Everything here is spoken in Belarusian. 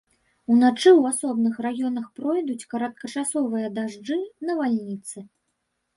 Уначы ў асобных раёнах пройдуць кароткачасовыя дажджы, навальніцы.